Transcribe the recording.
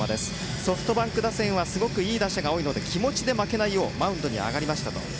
ソフトバンク打線はいい打者が多いので気持ちで負けないようにマウンドに上がりました。